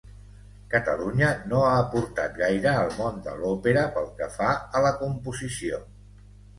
Catalunya no ha aportat gaire al món de l'òpera pel que fa a la composició.